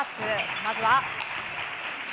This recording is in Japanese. まずは。